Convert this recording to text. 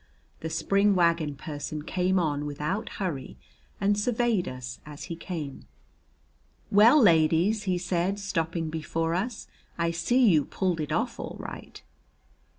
The spring wagon person came on without hurry and surveyed us as he came. "Well, ladies," he said, stopping before us, "I see you pulled it off all right."